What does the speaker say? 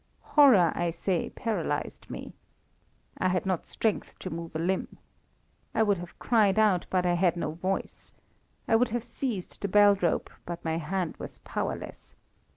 Horror, I say, paralyzed me. I had not strength to move a limb. I would have cried out, but I had no voice. I would have seized the bell rope, but my hand was powerless.